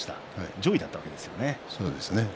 上位だったわけですね。